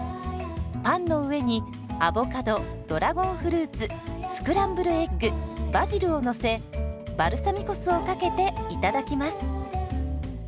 パンの上にアボカドドラゴンフルーツスクランブルエッグバジルをのせバルサミコ酢をかけていただきます。